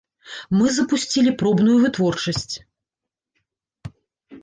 Мы запусцілі пробную вытворчасць.